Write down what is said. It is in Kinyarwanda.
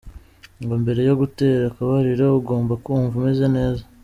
"Ngo mbere yo gutera akabariro ugomba kumva umeze neza.